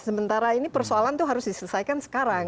sementara ini persoalan itu harus diselesaikan sekarang